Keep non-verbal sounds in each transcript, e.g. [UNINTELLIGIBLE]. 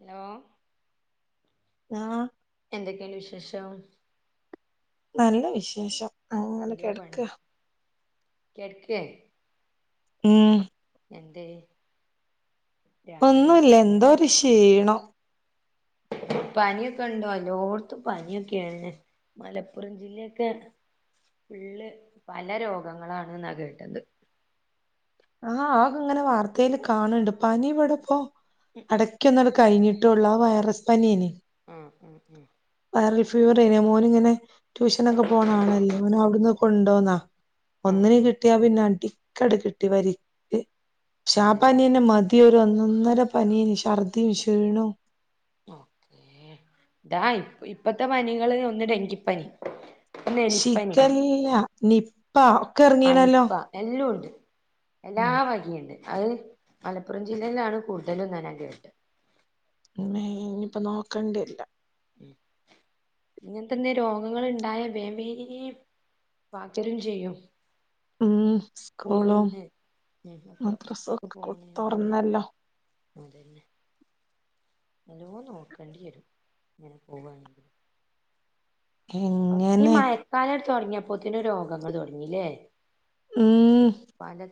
Hello ആ എന്തൊക്കെയാണ് വിശേഷം. നല്ല വിശേഷം. അങ്ങനെ കെടക്കുക. കെടക്ക ഉം എണ്ട് ഒന്നുല്ല എന്തോ ഒരു ഷീണം. പനിയൊക്കെ ഉണ്ടോല്ലോഓർത്ത പനിയൊക്കെ എഞ്ഞ മലപ്പുറം ജില്ലൊക്കെ പിള്ള് പല രോഗങ്ങളാണ്ന്നാ കേട്ടത്. ആഹ് ആക ഇങ്ങനെ വാർത്തൽ കാണണ്ട് പനി ഇവിടെപ്പോ അടക്കന്ന കഴിഞ്ഞിട്ടുള്ള ആ വൈറസ് പനിയെ ഉം ഉം ഉം റിഫ്യൂവർ മോന് ഇങ്ങനെ ട്യൂഷനൊക്കെ പോണ ആളല്ലേ ഓന അവിടന്ന് കൊണ്ടോന്നാ ആഹ് ഒന്നിന് കിട്ടിയാ പിന്നെ അടിക്കടി കിട്ടി വരിക്ക് ആഹ് ആല്ലേ ഷാപ്പാനിന്നെ മതി ഒന്ന ഒന്നര പനിയന് ഛർദിയും ഷീണു ഓക്കേ ഇതാ ഇപ്പ ഇപ്പത്തെ പനികള് ഒന്ന് ഡെങ്കിപ്പനി ഒന്ന് എലിപ്പനി ശിഖല്ല നിപ്പാ ഒക്കെ ആ ഇറങ്ങീണല്ലോ നിപ്പ എല്ലാം ഉണ്ട് എല്ലാ ഉം വകിയുണ്ട് അത് മലപ്പുറം ജില്ലയിലാണ് കൂടുതലുംന്നാ ഞാൻ കേട്ട് മ ഇനിയിപ്പ നോക്കണ്ടരൂല്ല ഉം ഇങ്ങനത്തന്നെ രോഗങ്ങ ഉണ്ടായ വേം വേം പക്കരും ചെയ്യും ഉം സ്കൂളുകള സ്കൂളും മക്കളൊക്കെ മദ്രസും സ്കൂ ഒക്കെ കൊ പോണൊണ്ട് തുറന്നല്ലോ അതന്ന നല്ലോ നോക്കേണ്ടി വരും ഇങ്ങനെ പോവാണെങ്കിൽ ഈ എങ്ങനെ മഴക്കാലം തുടങ്ങിയപ്പോത്തനെ രോഗങ്ങൾ തുടങ്ങില്ലേ ഉം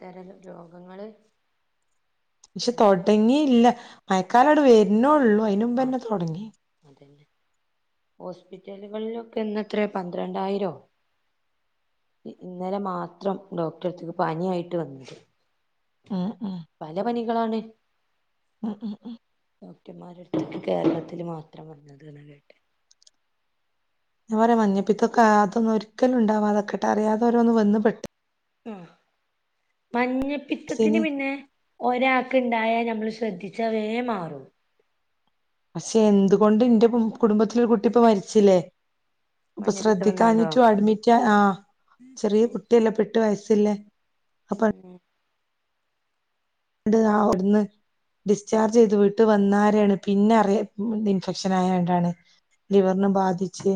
ഇതരം രോഗങ്ങള് പക്ഷെ മഴ തുടങ്ങിയില്ല മയക്കാല അട് വരുന്നേള്ളു അതിനമുമ്പ്ന്നെ തുടങ്ങി ഹോസ്പിറ്റലുകളിലൊക്കെന്ന്ത്ര പന്ത്രണ്ടായിരോ ഇന്നലെ മാത്രം ഡോക്ടർത്തേക്ക് പന ആയിട്ട് വന്നത് ഉം ഉം പല പനികളാണ് ഉം ഉം ഉം ഡന്മാരുടുത്തേ് കേരളത്തില് മാത്രം വന്നത് കേട്ടെ ഞാൻ പറയാ മഞ്ഞപ്പീത്തൊക്കെ അതൊന്നും ഒരിക്കലും ഉണ്ടാവാതൊക്കെ അറാതെോരോന്ന് വന്ന് പെട്ടി ഉ ന് മഞ്ഞപ്പിത്തത്തിന് പിന്നെ ഒരാൾക്ക് ഉണ്ടായാ നമ്മള് ശ്രദ്ധിച്ച വേമാറും പക്ഷെ എന്തുകൊണ്ട് എന്റെ കുടുംബത്തിലൊരു കുട്ടി ഇപ്പൊ മരിച്ചില്ലേ അപ്പൊ മഞ്ഞപ്പിത്തം വന്നാണ്ടോ ശ്രദ്ധിക്കാഞ്ഞിട്ടു അഡ്മിറ്റ് ആ് ചെറിയ കുട്ടിയല്ല എട്ടു വയസില്ലേ ഉം [UNINTELLIGIBLE] ഡിസ്ചാർജ് ചെയ്ത് വീട്ടിൽ വന്നാരാണ് പിന്നെ അറിയ ഇൻഫെക്ഷൻ ആയണ്ടാണ് ലിവറിനു ബാധിച്ച്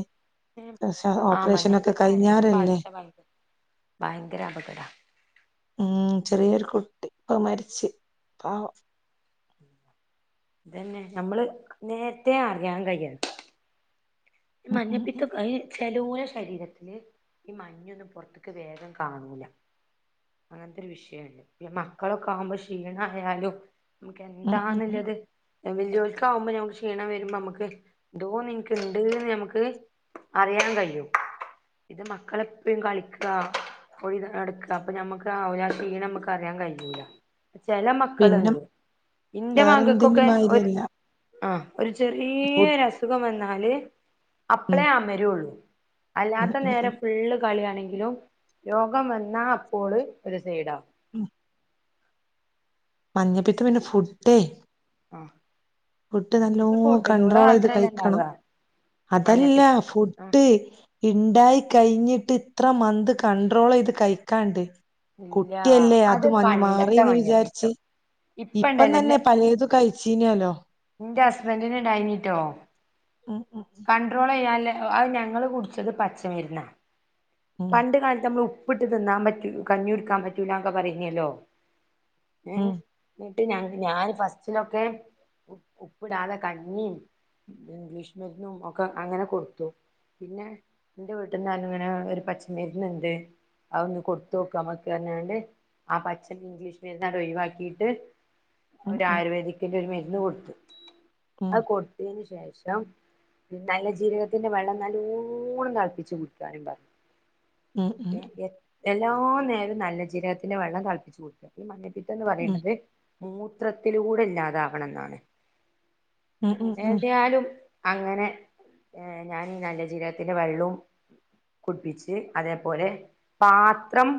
പക്ഷേ ആഹ് ഓപ്പറേഷനൊക്കെ മഞ്ഞപ്പിത്തം കരളിനെ കഴിഞ്ഞാരല്ലേ ബാധിച്ചാ ഭയങ്കര ഭയങ്കര അപകടം ഉം ചെറിയൊരു കുട്ടി ഇപ്പൊ മരിച്ച് പാവം ഇതന്നെ നമ്മള് നേരത്തെ അറിയാൻ കഴിയ ഉം ഉം മഞ്ഞപ്പിത്ത ഉം ചെലോ ശരീരത്തില് ഈ മഞ്ഞൊന്നും പുറത്തക്ക് വേഗം കാണൂല അങ്ങനത്തെ ഒരു വിഷയണ്ട് ഇ മക്കളൊക്കെ ആകുമ്പോ ക്ഷീണയാലും നമക്ക് ഉം ഉം ഉം എന്താണല്ലത് വല്യൊരുക്കാവുമ്പോ ഞമ്മക്ക് ക്ഷീണം വരുമ്പോ അമക്ക് എന്തോ ഒന്ന് ഇന്ക്ക് നമക്ക് അറിയാൻ കഴിയും ഇത് മക്കളെപ്പ കളിക്ക പോയി നടക്ക അപ്പൊ ഞമ്മക്ക് ആ ഷീണം നമുക്ക് അറിയാൻ കഴിയുല ചെല പിന്നെ മക്കളുണ്ട് ഇന്റെ മക്ക വേറെന്തിന്റെ ക്കൊക്കെ ഒരു മാതിരിയല്ല ആഹ ഒരു ഫുഡ് ചെറിയരസുഖം വന്നാല് ഉം അപളേ അമരള്ളൂ ഉം അല്ലാത്ത ഉം ഉം നേരം ഫുള്ള് കളിയാണെങ്കിലും രോഗം വന്നാൽ അപ്പോള് ഒരു സൈഡാവും ഉം മഞ്ഞപ്പിത്തം പിന്നെ ഫുഡേ ആഹ് ഫുഡ് നല്ലോ മഞ്ഞപ്പിത്തം ഫുഡിലൂടെ കണ്ട്രോൾ ചെയ്ത് മാത്രല്ല ഇണ്ടാവ കഴിക്കണം അതല്ല മഞ്ഞപ്പിത്ത ഫുഡ് ഇണ്ടായി കഴിഞ്ഞിട്ട് ഇത്ര മന്ത് കണ്ട്രോൾ ചെയ്ത് കഴിക്കാണ്ട് ഇല്ല കുട്ടിയല്ലേ അത് പണ്ടത്തെ മാറിന്ന് മഞ്ഞപ്പിത്തം വിചാരിച്ച് ഇപ്പ തന്നെ പലേതു കഴിച്ചീനല്ലോ നിന്റെ ഹസ്ബൻഡിന് ഡാഞ്ഞിട്ടോ ഉം ഉം കണ്ട്രോൾ ചെയ്യാല് അ ഞങ്ങള് കുടിച്ചത് പച്ചമരുന്നാ ഉം പണ്ട് കാലത്ത് നമ്മൾ ഉപ്പിട്ട് തിന്നാൻ പറ്റൂ കഞ്ഞികുടിക്കാൻ പറ്റൂലൊക്കെ പറയുന്നല്ലോ ഏ ഉം ഞാൻ ഫസ്റ്റിലൊക്കെ ഉപ്പിടാതെ കഞ്ഞിയും ഇംഗ്ലീഷ് മരുന്നും ഒക്കെ അങ്ങനെ കൊടുത്തു പിന്നെ എന്റെ വീട്ടിൽന്ന് ഇങ്ങനെ ഒരു പച്ചമരുന്ന് ഉണ്ട് അ ഒന്ന് കൊടു തോക്കക പറണ്ട് ആ പച്ച ഇംഗ്ലീഷ് മരുന്ന് നങ്ങട് ഒഴിവാക്കിട്ട് ഉം ഒരു ഉം ആയുർവേദിക്കിന്റെ ഒരു മരുന്ന് കൊടുത് ഉം അത് കൊടുത്തതെന് ശേഷം ഷം നല്ല ജീരകത്തിന്റെ വെള്ളം നല്ലൂണം തിളപ്പിച്ച് കുടിക്കാനും പറഞ്ഞു ഉം ഉം എല്ലാ നേരം നല്ല ജീരകത്തിന്റെ വെള്ളം തിളപ്പിച്ച് കൊടുക്ക ഈ മഞ്ഞ ന്ന് ഉം പറയണ്ടത് മൂത്രത്തിലൂടെ ഇല്ലാതകണം എന്നാണ് ഉം ഉം ഉം ഏതാലും അങ്ങനെ ഞാൻ ഈ നല്ല ജീവിതത്തിന്റെ വെള്ളവും കുടിപ്പിച്ച് അതേപോലെ പാത്രം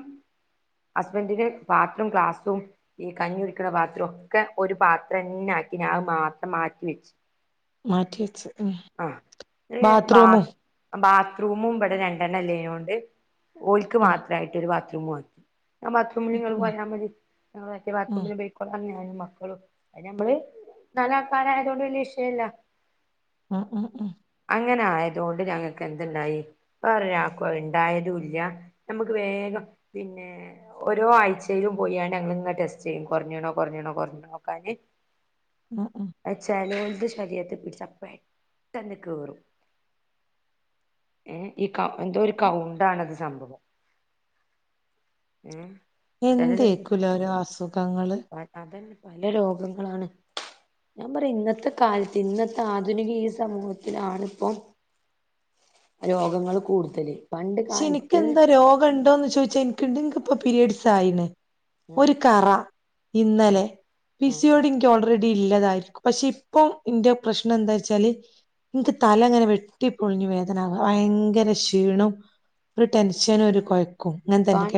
ഹസ്ബൻഡിന് പാത്രോം ക്ലാസും ഈ കഞ്ഞി കുടിക്കുന്ന പാത്രോം ഒക്കെ ഒരു പാത്രന്നെയാണ് ക്കിനി അത് മാത്രം മാറ്റിവെച്ചു മാറ്റി വെച്ച് ഉം ആഹ ബാ ബാത്റൂമും ബ റൂമും ഇവിടെ രണ്ടെണ്ണ ഇള്ളേകൊണ്ട് ഓല്ക്ക് ഉം മാത്രമായിട്ട് ഒരു ബാത്റൂമു ആക്കി ആ ബാത്റൂമിൽ ഉം ഇങ്ങള് ഉം പോയൽ മതി മറ്റേ ഉം ബാത്റൂമിൽ പോയിക്കോളാം ഞാനും മക്കളും അ ഞമ്മള് നാല് ആൾക്കാരായതുകൊണ്ട് വല്ല്യ വിഷയല്ല ഉം ഉം ഉം അങ്ങനെ ആയതുകൊണ്ട് ഞങ്ങൾക്ക് എന്തുണ്ടായി വേറൊരാൾക് ഇണ്ടായതും ഇല്ല നമുക്ക് വേഗം പിന്നെ ഓരോ ആഴ്ചയിലും പോയി അങ് ഇങ് ടെസ്റ്റ് ചെയ്യും കുറഞ്ഞണോ കുറഞ്ഞണോ കൊറഞ്ഞോ നോക്കാന് ഉം ഉം വച്ചാലും ശരീരത്തിൽ പിടിച്ച പെട്ടെന്ന് കേറും ഏ ഈ ക എന്തോ ഒരു കൗണ്ട് ആണത് സംഭവം ഉം എന്തേക്കുലോരോ അസുഖങ്ങള് അതന്നെ പല രോഗങ്ങളാണ് ഞാൻ പറയാ ഇന്നത്തെ കാലത്ത് ഇന്നത്തെ ആധുനിക ഈ സമൂഹത്തിലാണിപ്പൊ രോഗങ്ങള് കൂടുതല് പണ്ട് പക്ഷെ കാലത്ത് എനിക്കെന്താ രോഗം ഉണ്ടോന്ന് ചോയിച്ചാ എനിക്കിണ്ടപ്പോ പിരീഡ്സ് ആയിന് ആ ഒരു കറ ആ ഇന്നലെ ആ പിസിയോടി ഇൻ ക്ക് ഓൾറെഡി ല്ലതായിരിക്കും പക്ഷെ ഇപ്പൊ ഇന്റെ പ്രശ്നം എന്താ വെച്ചാല് നിക്ക് തല ഇങ്ങനെ വെട്ടിപ്പൊളിഞ് വേദനവാ ഭയങ്കര ക്ഷീണവും ഒരു ടെൻഷനും ഒരു കൊഴ കാണ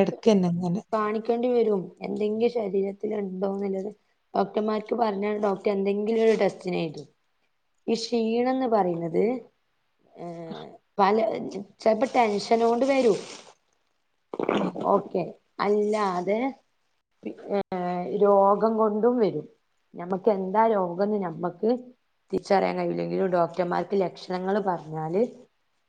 കാണിക്കേണ്ടി വരും എന്തെങ്കിലും ശരീരത്തിു സംഭവത് ഡോക്ടർമാർക്ക് പറഞ്ഞ ഡോക്ടർ എന്തെങ്കിലും ഒരു ടെസ്റ്റിനു ഈ ക്ഷീണംന്ന് പറയുന്നത് ഏർ പല ചിലപ്പോ ടെൻഷന കൊണ്ട് വരൂ ഉം ഓക്കെ അല്ലാതെ ഏർ രോഗം കൊണ്ടും വരും നമ്മക്ക് എന്താ രോഗന്ന് നമ്മക്ക് തിരിച്ചറിയാൻ കഴിയില്ലെങ്കിലും ഡോക്ടർമാർക്ക് ലക്ഷണങ്ങള്ൾ പറഞ്ഞാല്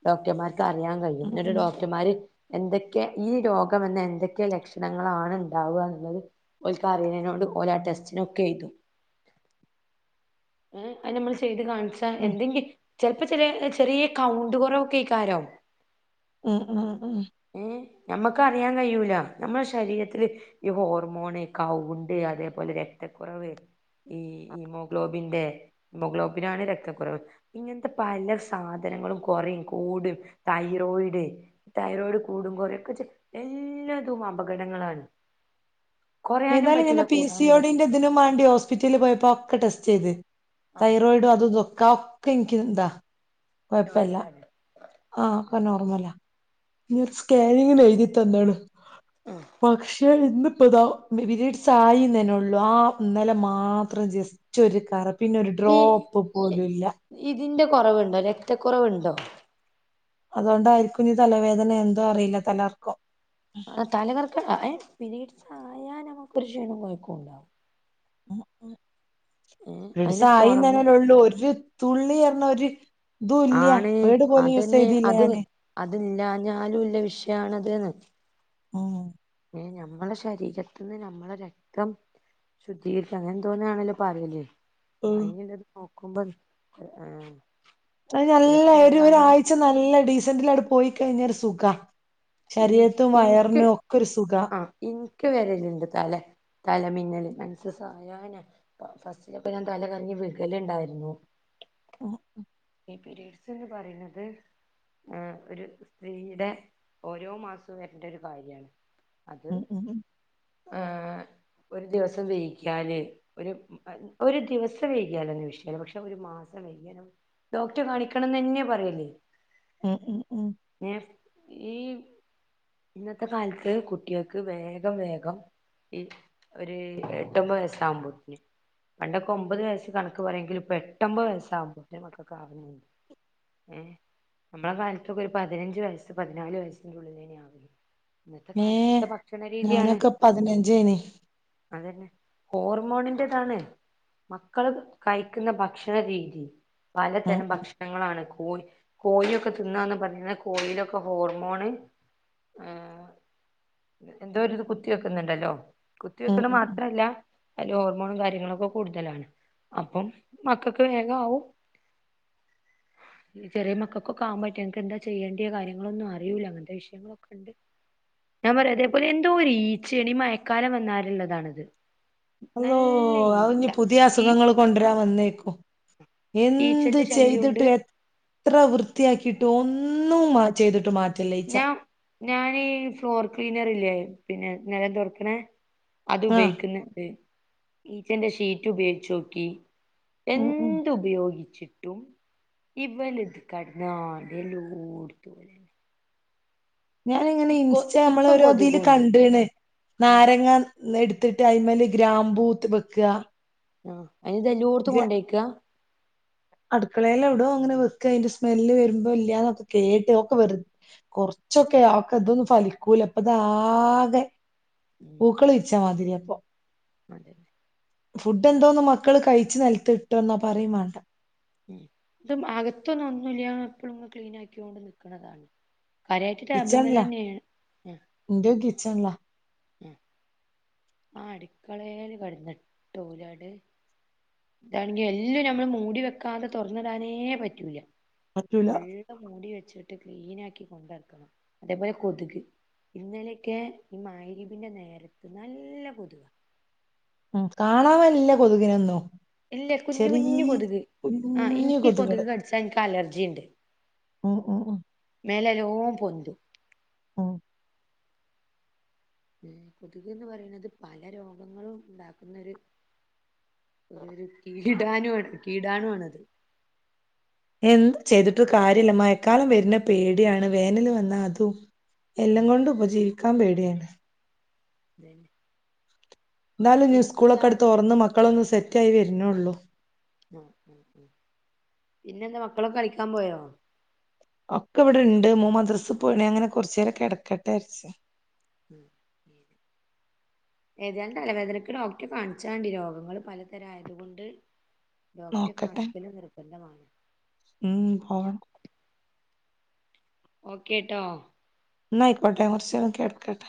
ഡോക്ടർമാർക്ക് അറിയാൻ കഴിയും ഉം എന്നട്ട് ഉം ഡോക്ടർമാര് എന്തൊ ഈ രോഗം എന്ന എന്തൊക്കെ ലക്ഷണങ്ങളാണ് ഉണ്ടാവുക എന്നുള്ളത് ഒരുക്ക അറിയുന്നതിനോട് പോല ടെസ്റ്റിനൊക്കെ ചെയ്തു നമ്മൾ ചെയ്ത് കാണിച്ചാ ഉം എന്തെങ്കി ചെൽപ്പോ ചെലെ ചെറ്യേ കൗണ്ട് കാെറവൊക്കെയ്ക്കാരം ഉം ഉം ഉം യാൻ കഴിയൂല നമ്മളെ ശരീരത്തില് ഈ ഹോർമോണ് കൗണ്ട് അതേപോലെ രക്തക്കുറവ് ഈ ഇമോഗ്ലോബിന്റെ ഹിമോഗ്ലോബിനാണ് രക്തക്കുറവ് ഇങ്ങൻത്തെ പല സാധനങ്ങളും കൊറിം കൂടും തൈ റോയിഡ് തൈറോയിഡ് കൂടും കൊറയൊക്കെ ചെ എല്ലതും അപകടങ്ങളാണ് കുറയാനും ഏതാലും പറ്റൂല ഞാനാ കൂടാനും പറ്റൂല പിസിഒഡിന്റെ തിനും മാണ്ടി ഹോസ്പിറ്റൽല് പോയപ്പോ അഒക്കെ ടെസ്റ്റെയ്ത് ആ തൈറോയ്ഡും അതും തൊക്കെ അത് ഒക്കെ ൻക്കി ന്താ നോർമലാലേ ആ അക്കെ നോർമലാ ഇനിരു സ്കാനിങ്ങിന് എഴ്തി തന്ന്ണ് ആ പക്ഷെ ഇന്ന് പ്പ ഇതാ ബി ബിരിഡ്സ് ആയിന്നെന്നൊള്ളൂ ആ ഇന്നലെ മാത്രം ജസ്റ്റാെരു കറ പിന്നെ ഒരു ഈ ഡ്രോപ്പ് പോലുല്ല ഇതിന്റെ കൊറവ്ണ്ടോ രക്തക്കാെറവ്ണ്ടോ അതുകൊണ്ടായിരിക്കും ഞ്ഞ് തലവേദന എന്തോ അറീല്ല തലകർക്കാേ ആ തലകർക്ക് [UNINTELLIGIBLE] എ പിരീഡ്സായാ ഞമ്മക്കാെരു ക്ഷീണം കാെയ്ക്കുംണ്ടാവും അതിന് പുറമെ പിര്‌സ്‌സായിന്നന്നെല്ലെള്ളൂ ഒരു തുള്ളി അർഞ്ഞ ഒര് തും ഇല്ല്യ ആണ് പേഡ് പോലും യൂസെയ്തില്ല ഞാന് അതില്ലാഞ്ഞാലുംല്ല വിഷയാണത് ന്ന് ആ ഞമ്മളെ ശരീരത്ത്ന്ന് ഞമ്മളെ രക്തം ശുദ്ധീകരിക്ക അങ്ങനെ എന്തോന്നാണല്ലോ പറേല് ഉം. അയിന്ല്ലത് നോക്കുമ്പം ഏ അത് നല്ലര് ഒരു രക്തമില്ലാഞ്ഞാൽ ഒരാഴ്ച നല്ല ഡീസന്റിലാട്ട് പോയി കഴിഞ്ഞ ഒര് സുഖാ ഇൻ ശരീരത്തും ഇൻക്ക് വയറിനും ഒക്കെ ഒരു സുഖാ ആ ഇൻക്ക് വരല്ണ്ട് തല തലമി ന്നല് മൻസസായനെ ഫസ്റ്റ്ലൊക്കെ ഞാൻ തല കറങ്ങി വികല്ണ്ടായ്ര്ന്നു ഉം ഈ പിരീഡ്സ്ന്ന് പറീണത് ഏ ഒര് സ്ത്രീടെ ഓരോ മാസവും വര്ണ്ടാെരു കാര്യാണ് ഉം ഉം ഉം ആ ഒരു ദിവസം വെയ്കിയാല് ഒര് ഒര് ദിവസം വെയ്ക്യാലെന്നെ വിഷയ പക്ഷെ ഒര് മാ [UNINTELLIGIBLE] ഡോക്ടെ കാണിക്കണംന്നെന്നെ പറയല് ഉം ഉം ഉം ഏ ഈ ഇന്നത്തെ കാലത്ത് കുട്ട്യേക്ക് വേഗം വേഗം ഈ ഒര് എട്ടൊമ്പത് വയസ്സാവുമ്പോത്ത്ന് പണ്ടൊക്കെ ഒമ്പത് വയസ്സ് കണക്ക് പറെങ്കിൽ ഇപ്പൊ എട്ടാെമ്പത് വയസാവുമ്പോത്തിന് മക്കക്കാവ്ണ് ണ്ട് ഏ നമ്മളെ കാലത്തൊക്കെ ഒരു പതിനഞ്ച് വയസ്സ് പതിനാല് വയസ്സിന്റെ ഉള്ളിലേനി ആവല് ഇന്നത്തെ ഏ കാലത്തത്തെ ഭക്ഷണ രീതിയാണ് ഞാനൊക്കെ പതിനഞ്ചേനി അതന്നെ ഹോർമോണിന്റെതാണ് മക്കള് കഴിക്കുന്ന ഭക്ഷണ രീതി ഉം പലതരം ഉം ഭക്ഷണങ്ങളാണ് കോഴ കോഴൊക്കെ തിന്നുകന്ന് പറയ കോഴയിലൊക്കെ ഹോർമോൺ ആ എന്തോ ഒരു ഇത് കുത്തി വെക്കുന്നുണ്ടല്ലോ കുത്തി ഉം വെക്കണ ഉം ഉം മാത്രല്ല അതില് ഹോർമോണും കാര്യങ്ങളൊക്കെ കൂടുതലാണ് അപ്പം മക്കൾക്ക് വേഗാവും ചെറിയ മക്കൾക്കൊ കാൻ പറ്റ എനക്ക് എന്താ ചെയ്യേണ്ട കാര്യം ങ്ങളൊന്നും അറില്ല അങ്ങനത്തെ വിഷയങ്ങളൊക്കെ ഉണ്ട് ഞാൻ പറയാ അതേപോലെ എന്തോഈ ചെണി മഴക്കാലം വന്നാാലള്ളതാണത് അള്ളോ അത്ഞ്ഞ് പുതിയ ഈ അസുഖങ്ങൾ കൊണ്ടരാൻ വന്നേക്കും എന്ത് ഈച്ചന്റെ ശല്യമുണ്ട് ചെയ്തിട്ടും എത്ര വൃത്തിയാക്കിയിട്ടും ഒന്നും ചെയ്തിട്ട് മാറ്റ ഞാം ഞാനീ ഫ്ലോർ ക്ലീനർ ഇല്ല പിന്നെ നെലംതൊടക്ക്ണേ അത് ആഹ് ഉപയോഗിക്കുന്നത് ഈച്ചന്റെ ഷീറ്റ് ഉപയോഗിച്ചോക്കി ഉം ഉം എന്ത് ഉപയോഗിച്ചിട്ടും ഇവല ഇത് കടന്നാ ഡലൂട് തോല ഞാനിങ്ങനെ ഇൻസ്റ്റ നമ്മളെ ഇപ്പം ഓരോതില് കൊതുകുണ്ട് കണ്ട്ണ് ആഹ് നാരങ്ങ [UNINTELLIGIBLE] ത്തിട്ട് അയ്മല് ഗ്രാംമ്പൂത്ത് വെക്കുക ആ അയ്നിത് എല്ലോട്ത്തും കൊണ്ടേയ്ക്ക അന്റെ സ്മെല്ല് വരുമ്പോ ഇല്ലൊക്കെ കേട്ട്ക്കെ വ കൊറച്ചൊക്കെ ആതൊന്നും ഫലിക്കൂ അപ്പതാആകെ ഉം പൂക്കൾ ഉം വിര്ച്ച മാതിരിയാപ്പോ അതന്നെ ഫുഡ് പിട്ടന്തോന്നന്ന് മക്കൾ കഴി നിലത്ത് ഇട്ട എന്നോ പറയും വേണ്ട ഉം ഇത് അകത്തൊന്നും ഒന്നുംല്ല ഞാന് എപ്പളുംങ്ങനെ ക്ലീൻ ആക്കിയോണ്ട് നിക്ക്ണതാണ് കാര്യായിട്ട് കിച്ചണിലാ ടേബിൾമ്മലെന്നേണ് മ് ഇന്റെയും കിച്ചണിലാ ഉം ആ അടുക്കളയില് കടന്നിട്ട ലാട് ഇതാണെങ്കിൽ എല്ലും നമ്മള് മൂടി വെക്കാതെ തുറന്നടാനേ പറ്റൂല്ല പറ്റൂല ഉള്ള മൂടി വെച്ചിട്ട് ക്ലീൻ ആക്കി കൊണ്ടട്ക്കണം അത്പോലെ കൊതുക് ഇന്നലെയൊക്കെ ഈ മയ്രിപിന്റെ നേരത്ത് നല്ല കെതുക ഉ കാണാവാനില്ല കൊതുകിനൊന്നും ഇല്ല കുഞ്ഞു കുഞ്ഞഞ് ചെറിയ കൊതുക് ആ കുഞ്ഞു എനിക്ക് കൊതുക് കടിച്ചാ എനിക്ക് അലർജി ഉണ്ട് ഓ ഓ ഓ ഓ പൊണ്ടു ആ മ് കൊതുക്ന്ന് പറയുന്നത് പല രോഗങ്ങളും ഉണ്ടാക്കുന്നൊരു ഒരു ഒരു കീടാനു കീടാനു ആണത് എന്ത് ചെയ്തിട്ട് കാര്യല്ല മയക്കാലം വരുന്ന പേടിയാണ് വേനല് വന്നാ അതും ഉം എല്ലാംക കൊണ്ട് ഉപജീവിക്കാന് പേടിയാണ് അല്ല എന്താലും നീ സ്കൂളൊക്കെ അടുത്ത് ഓർന്ന് മക്കളൊന്ന സെറ്റ ആയി വരുന്നുള്ളു പിന്നെ എന്താ മക്കളൊക്കെ കളിക്കാൻ പോയോ ഒക്കെ ഇവിടെണ്ട് മൂ മദ്രസ്ൽ പോയിണ അങ്ങനെ കൊറച്ചു നേര കിടക്കട്ടെ ആര്ച്ചു ഉം ഉം ഏതായാലും തലവേദനക്ക് ഡോക്ടറെ കാണിച്ചാണ്ടി രോഗങ്ങള് പലതരം ആയത് കൊണ്ട് ഡോക്റ്റ് നോക്കട്ടെ കാണിക്കല് നിർബന്ധമാണ് ഉം പോ ഓക്കെട്ടോ നയിക്കട്ട കുർചേരകേട് കട്ട